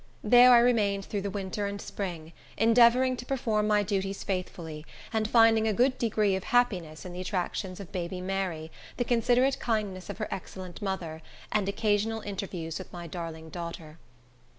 There I remained through the winter and spring, endeavoring to perform my duties faithfully, and finding a good degree of happiness in the attractions of baby Mary, the considerate kindness of her excellent mother, and occasional interviews with my darling daughter.